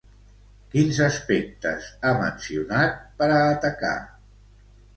Quins aspectes ha mencionat per a atacar?